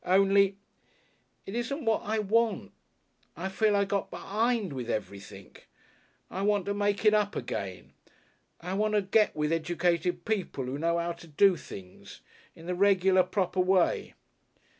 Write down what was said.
Only . It isn't what I want. I feel I've got be'ind with everything. I want to make it up again. I want to get with educated people who know 'ow to do things in the regular, proper way."